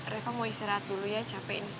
reva mau istirahat dulu ya capek nih